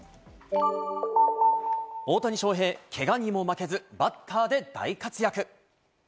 大谷翔平、けがにも負けず、バッターで大活躍！